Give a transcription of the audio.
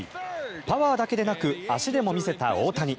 パワーだけでなく足でも見せた大谷。